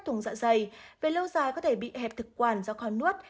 thùng dạ dày về lâu dài có thể bị hẹp thực quản do khó nuốt